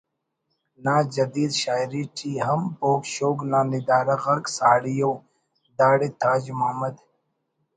نا جدید شاعری ٹی ہم بوگ شوگ نا ندارہ غاک ساڑی ءُ داڑے تاج محمد